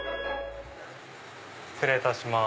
失礼いたします。